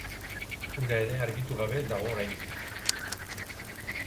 Hura ere argitu gabe dago oraindik.